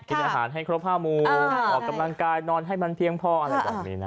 กินอาหารให้ครบ๕หมู่ออกกำลังกายนอนให้มันเพียงพออะไรแบบนี้นะ